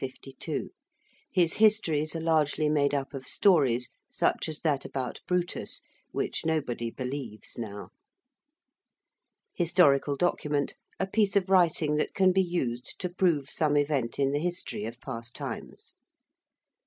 His 'histories' are largely made up of stories, such as that about Brutus, which nobody believes now. ~historical document~: a piece of writing that can be used to prove some event in the history of past times.